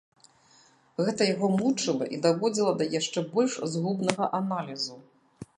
Гэта яго мучыла і даводзіла да яшчэ больш згубнага аналізу.